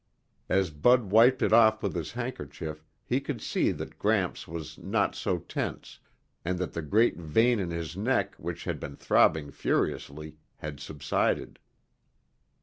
As Bud wiped it off with his handkerchief, he could see that Gramps was not so tense and that the great vein in his neck, which had been throbbing furiously, had subsided.